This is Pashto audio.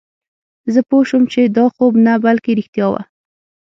زه پوه شوم چې دا خوب نه بلکې رښتیا وه